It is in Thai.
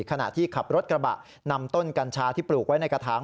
ขณะที่ขับรถกระบะนำต้นกัญชาที่ปลูกไว้ในกระถาง